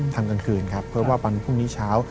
กลางคืนครับเพราะว่าวันพรุ่งนี้เช้า